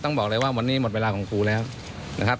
ต้องบอกเลยว่าวันนี้หมดเวลาของครูแล้วนะครับ